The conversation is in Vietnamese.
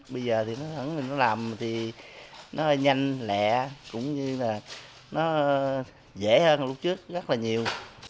bây giờ thì nó làm thì nó nhanh lẹ cũng như là nó dễ hơn lúc trước rất là nhiều